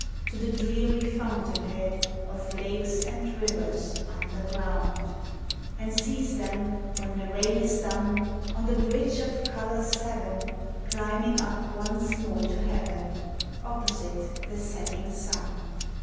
To the dreary fountain head Of lakes and rivers underground; And sees them, when the rain is done, THE SEASONS. 117 On the bridge of colors seven Climbing up once more to heaven, Opposite the setting sun.